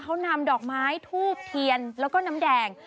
เขานำดอกไม้ทูบเทียนแล้วก็น้ำแดง